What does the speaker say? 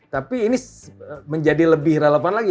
tapi ini menjadi lebih relevan lagi